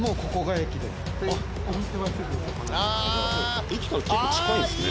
駅から結構近いですね。